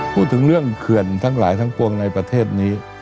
พูดถึงเรื่องเขื่อนทั้งหลายทั้งปวงในประเทศนี้